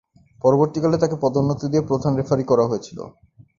পরবর্তীকালে তাকে পদোন্নতি দিয়ে প্রধান রেফারি করা হয়েছিল।